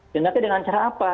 tindaknya dengan cara apa